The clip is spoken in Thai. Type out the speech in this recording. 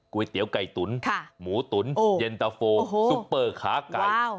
ก๋วยเตี๋ยวไก่ตุ๋นหมูตุ๋นเย็นตะโฟซุปเปอร์ขาไก่